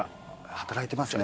働いてますよね。